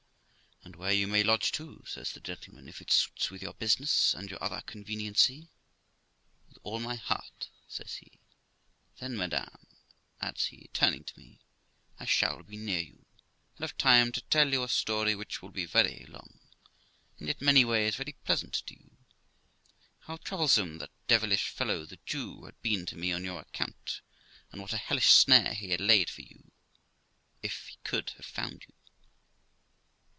'And where you may lodge too, sir', says the gentleman, 'if it suits with your business and your other conveniency.' ' With all my heart ', says he. ' Then, madam ', adds he, turning to me, 'I shall be near you, and have time to tell you a story which will be very long, and yet many ways very pleasant to you ; how troublesome that devilish fellow, the Jew, has been to me on your account, and what a hellish snare he had laid for you, if he could have found you.'